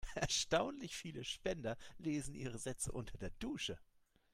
Erstaunlich viele Spender lesen ihre Sätze unter der Dusche.